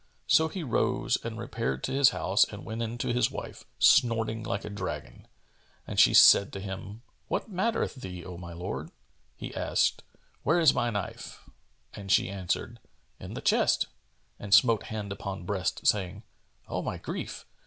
So he rose and repaired to his house and went in to his wife, snorting like a dragon;[FN#425] and she said to him, "What mattereth thee, O my lord?" He asked, "Where is my knife?" and she answered, "In the chest," and smote hand upon breast, saying, "O my grief!